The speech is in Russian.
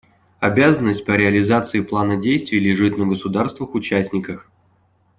Обязанность по реализации Плана действий лежит на государствах-участниках.